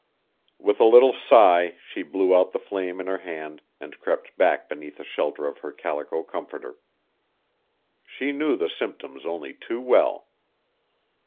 With a little sigh she blew out the flame in her hand and crept back beneath the shelter of her calico comforter. She knew the symptoms only too well.